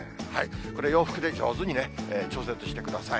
これ、洋服で上手にね、調節してください。